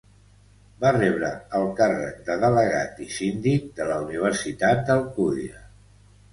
Va rebre el càrrec de delegat i síndic de la Universitat d'Alcúdia.